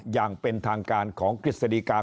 อย่างเป็นทางการของคริสตาลีกร